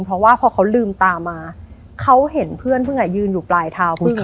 เพราะว่าพอเขาลืมตามาเขาเห็นเพื่อนพึ่งอ่ะยืนอยู่ปลายเท้าเพิ่ง